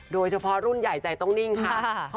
โดยเฉพาะรุ่นใหญ่ใจต้องนิ่งค่ะ